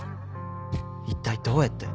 一体どうやって？